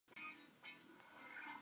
Viven en agua dulce de ríos tropicales.